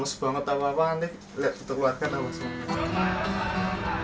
nanti kita lihat foto keluarga nanti kita langsung